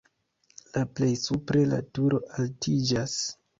La plej supre la turo altiĝas.